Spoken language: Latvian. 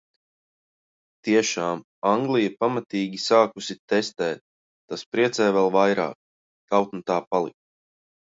Tiešām Anglija pamatīgi sākusi testēt, tas priecē vēl vairāk, kaut nu tā paliktu.